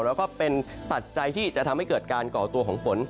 แล้วก็เป็นปัจจัยที่จะทำให้เกิดการก่อตัวของฝน